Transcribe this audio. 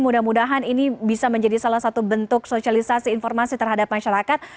mudah mudahan ini bisa menjadi salah satu bentuk sosialisasi informasi terhadap masyarakat